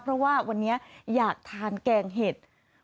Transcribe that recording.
เพราะว่าวันนี้อยากทานแกงเห็ด